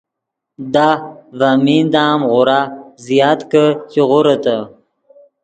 دا ڤے میندا ام غورا زیات کہ چے غوریتے